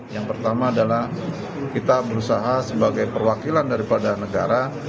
yang pertama adalah kita berusaha sebagai perwakilan daripada negara